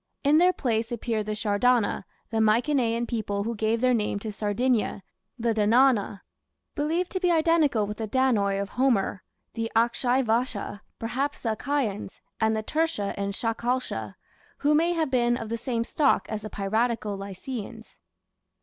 In their place appear the Shardana, the Mykenaean people who gave their name to Sardinia, the Danauna, believed to be identical with the Danaoi of Homer, the Akhaivasha, perhaps the Achaeans, and the Tursha and Shakalsha, who may have been of the same stock as the piratical Lycians.